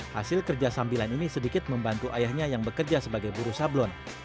hasil kerja sambilan ini sedikit membantu ayahnya yang bekerja sebagai buru sablon